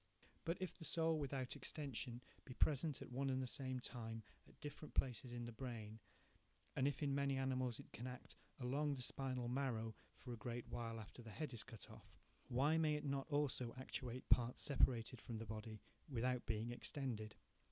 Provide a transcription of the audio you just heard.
3 But if the soul, without extension, be present at one and the same time at different places in the brain, and if in many animals it can act along the spinal marrow for a great while after the head is cut off, why may not it also actuate parts separated from the body without being extended?